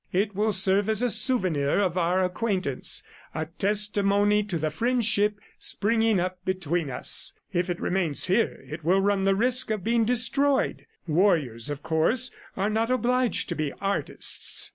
It will serve as a souvenir of our acquaintance, a testimony to the friendship springing up between us. ... If it remains here, it will run the risk of being destroyed. Warriors, of course, are not obliged to be artists.